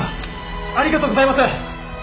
ありがとうございます！